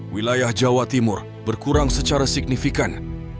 wilayah jawa timur berkurang secara signifikan